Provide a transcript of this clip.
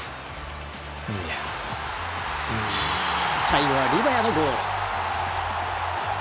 最後はリバヤのゴール。